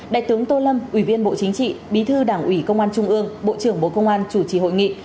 đại tướng tô lâm ủy viên bộ chính trị bí thư đảng ủy công an trung ương bộ trưởng bộ công an chủ trì hội nghị